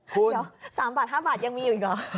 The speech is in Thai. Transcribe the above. คุณอย่า๓บาท๕บาทยังมีอีกเหรอ